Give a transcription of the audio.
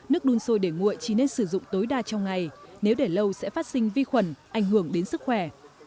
nước đun sôi để nguội chỉ nên sử dụng tối đa trong ngày nếu để lâu sẽ phát sinh vi khuẩn ảnh hưởng đến sức khỏe